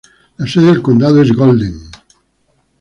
La sede del condado es Golden.